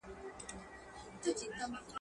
ته پوهیږې د ابا سیوری دي څه سو؟!.